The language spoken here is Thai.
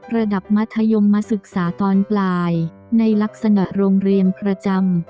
ระดับมัธยมมาศึกษาตอนปลายในลักษณะโรงเรียนประจำ